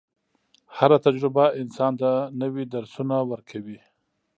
هره تجربه انسان ته نوي درسونه ورکوي.